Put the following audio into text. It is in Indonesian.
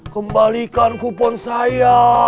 kembalikan kupon saya